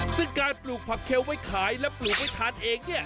ซึ่งการปลูกผักเคลไว้ขายและปลูกไว้ทานเองเนี่ย